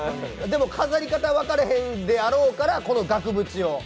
でも、飾り方分からへんであろうからこの額縁を。